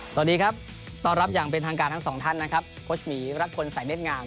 สวัสดีครับต้อนรับอย่างเป็นทางการทั้งสองท่านนะครับโค้ชหมีรักพลสายเด็ดงาม